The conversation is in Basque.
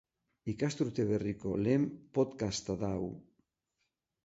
Ikasturte berriko lehen podcasta da hau!